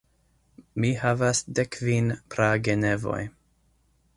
Mi havas dekkvin pragenevoj.